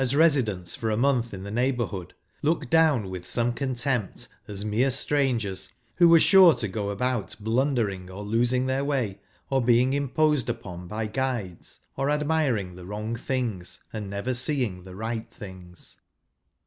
[Conducted hj residents for a month in the neighbourhood,, looked down with some contempt as mere strangers, who were sure to go about blunder¬ ing, or losing their way, or being imposed upon by guides, or admiring the wi'ong things, and never seeing the right things.